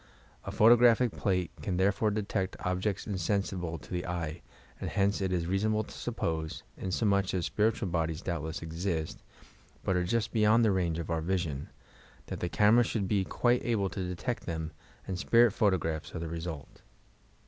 A photographic plale can Iherefore detect objects insensi ble to the eye, and hence it is reasonable to suppose — inasmuch as spiritual bodies doubtless exist, but are just beyond the range of our vision, — that the camera should be quite able to detect them, and spirit photographs are the result.